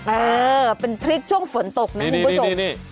เออเป็นทริคช่วงฝนตกนะนี่นี่นี่นี่